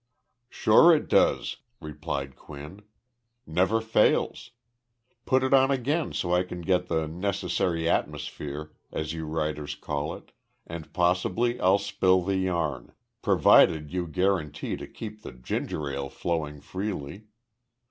"Sure it does," replied Quinn. "Never fails. Put it on again so I can get the necessary atmosphere, as you writers call it, and possibly I'll spill the yarn provided you guarantee to keep the ginger ale flowing freely.